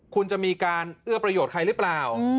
คุณจะมีการเอื้อประโยชน์ใครหรือเปล่า